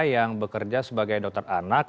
yang bekerja sebagai dokter anak